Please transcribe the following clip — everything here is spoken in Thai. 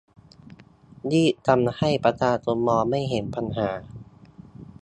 รีบทำให้ประชาชนมองไม่เห็นปัญหา